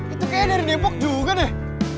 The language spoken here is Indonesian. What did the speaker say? itu kayaknya dari depok juga deh